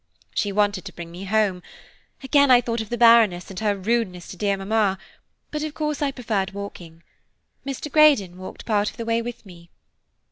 She wanted to bring me home. Again I thought of the Baroness and her rudeness to dear mamma; but of course I preferred walking. Mr. Greydon walked part of the way with me."